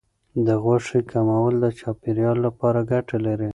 د غوښې کمول د چاپیریال لپاره ګټه لري.